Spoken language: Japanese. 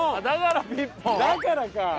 だからか。